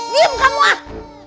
diam kamu ah